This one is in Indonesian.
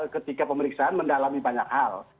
ketika pemeriksaan mendalami banyak hal